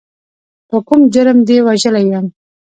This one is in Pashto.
په کوم جرم دې وژلی یم.